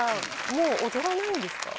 もう踊らないんですか？